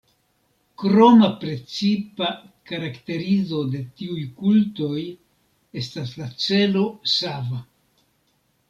Kroma precipa karakterizo de tiuj kultoj estas la celo sava.